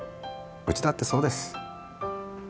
うちだってそうです。